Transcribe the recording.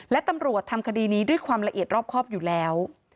และตำรวจทำคดีนี้ด้วยความละเอียดรอบครอบอยู่แล้ว